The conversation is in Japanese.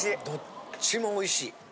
どっちもおいしい。